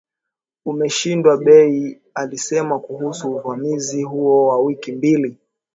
umeshindwa bei alisema kuhusu uvamizi huo wa wiki mbili